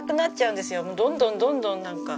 もうどんどんどんどんなんか。